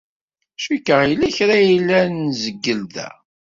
Cikkeɣ yella kra ay la nzeggel da.